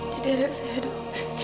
jadi anak saya dok